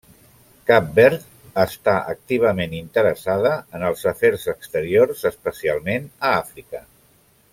Cap Verd és activament interessada en els afers exteriors, especialment a Àfrica.